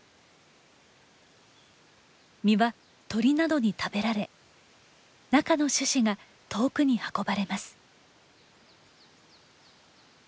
実は鳥などに食べられ中の種子が遠くに運ばれます。